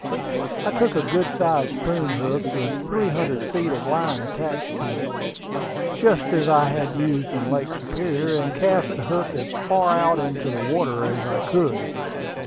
I took a good sized spoon hook, with three hundred feet of line attached to it, just as I had used it in Lake Superior, and cast the hook as far out into the water as I could.